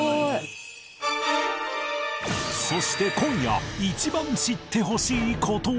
そして今夜一番知ってほしい事は